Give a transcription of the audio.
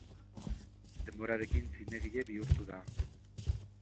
Denborarekin zinegile bihurtu da.